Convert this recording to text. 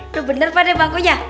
tuh bener pak deh bangkunya